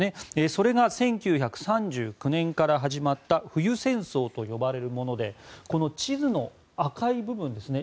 それが１９３９年から始まった冬戦争と呼ばれるものでこの地図の赤い部分ですね。